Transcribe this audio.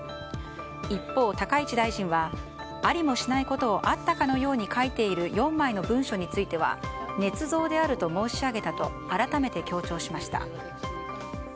一方、高市大臣はありもしないことをあったかのように書いている４枚の文書についてはねつ造であると申し上げたと改めて強調しました。